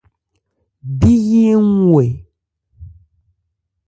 Bí yí ń wu ɛ ?